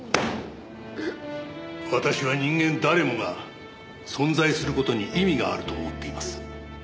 私は人間誰もが存在する事に意味があると思っています。